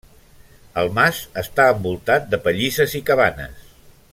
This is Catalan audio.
El mas està envoltat de pallisses i cabanes.